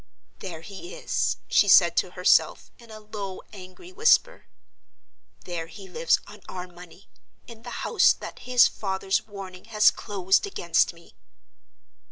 "There he is!" she said to herself, in a low, angry whisper. "There he lives on our money, in the house that his father's warning has closed against me!"